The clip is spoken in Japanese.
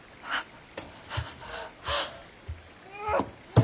ああっ！